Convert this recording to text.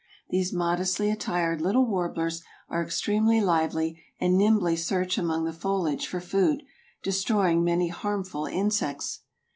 These modestly attired little warblers are extremely lively and nimbly search among the foliage for food, destroying many harmful insects.